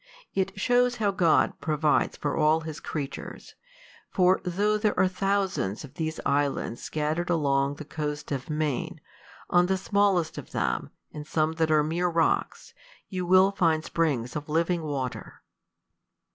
It shows how God provides for all his creatures, for though there are thousands of these islands scattered along the coast of Maine, on the smallest of them, and some that are mere rocks, you will find springs of living water.